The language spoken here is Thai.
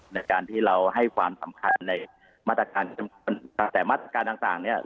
ในการที่เราให้ความสำคัญในมาตรการแต่มาตรการต่างเนี่ย